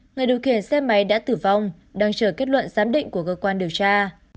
người điều khiển xe máy đã tử vong đang chờ kết luận giám định của cơ quan điều tra